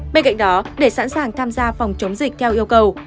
bên cạnh đó để sẵn sàng tham gia phòng chống dịch theo yêu cầu